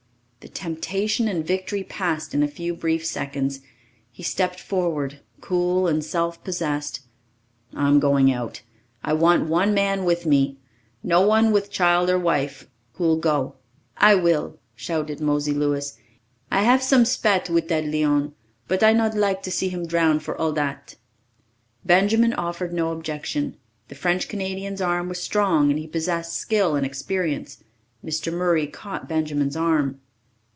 The temptation and victory passed in a few brief seconds. He stepped forward, cool and self possessed. "I'm going out. I want one man with me. No one with child or wife. Who'll go?" "I will," shouted Mosey Louis. "I haf some spat wid dat Leon, but I not lak to see him drown for all dat!" Benjamin offered no objection. The French Canadian's arm was strong and he possessed skill and experience. Mr. Murray caught Benjamin's arm.